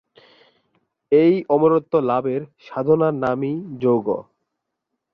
এই অমরত্ব লাভের সাধনার নামই ‘যোগ’।